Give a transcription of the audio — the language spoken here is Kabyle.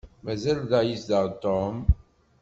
Mazal da i yezdeɣ Tom?